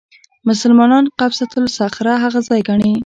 مسلمانان قبه الصخره هغه ځای ګڼي.